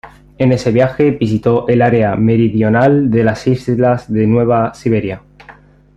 En ese viaje, visitó el área meridional de las islas de Nueva Siberia.